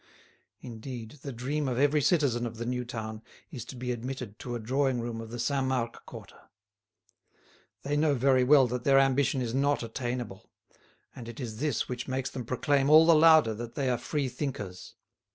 Indeed, the dream of every citizen of the new town is to be admitted to a drawing room of the Saint Marc quarter. They know very well that their ambition is not attainable, and it is this which makes them proclaim all the louder that they are freethinkers.